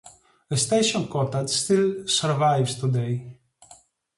The station cottage still survives today.